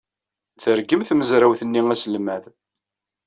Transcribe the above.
Tergem tmezrawt-nni aselmad.